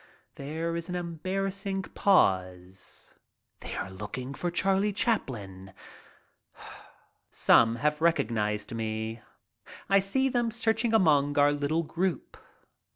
There is an embarrassing pause. They are looking for Charlie Chaplin. Some have recognized me. I see them searching among our little group.